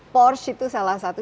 porsche itu salah satu